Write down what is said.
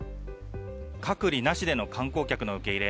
隔離なしでの観光客の受け入れ。